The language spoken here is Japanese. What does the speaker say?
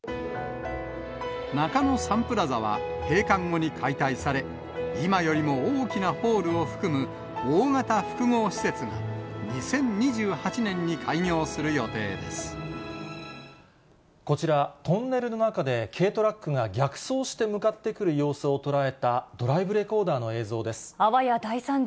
中野サンプラザは閉館後に解体され、今よりも大きなホールを含む大型複合施設が２０２８年に開業するこちら、トンネルの中で軽トラックが逆走して向かってくる様子を捉えたドあわや大惨事。